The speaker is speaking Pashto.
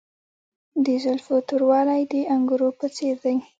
د زلفو توروالی د انګورو په څیر دی.